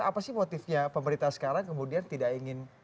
apa sih motifnya pemerintah sekarang kemudian tidak ingin